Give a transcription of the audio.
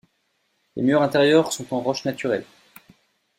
Les murs intérieurs sont en roche naturelle.